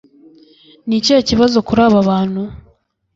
ni ikihe kibazo kuri aba bantu